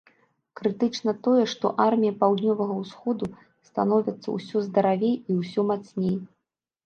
Крытычна тое, што армія паўднёвага ўсходу становяцца ўсё здаравей і ўсё мацней.